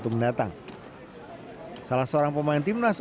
mendatang salah seorang pemain timnas u sembilan belas asal